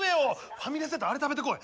ファミレスやったらあれ食べてこい！